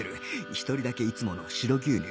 一人だけいつもの白牛乳